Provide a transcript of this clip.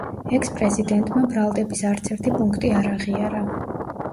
ექს-პრეზიდენტმა ბრალდების არცერთი პუნქტი არ აღიარა.